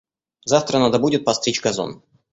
Завтра надо будет постричь газон.